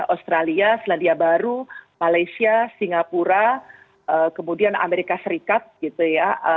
australia selandia baru malaysia singapura kemudian amerika serikat gitu ya